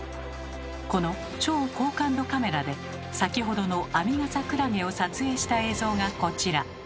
この超高感度カメラで先ほどのアミガサクラゲを撮影した映像がこちら。